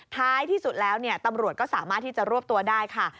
ท้ายที่สุดแล้วตำรวจก็สามารถที่จะรวบตัวได้ค่ะ